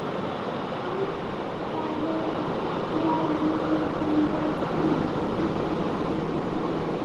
Fort Davis was named county seat.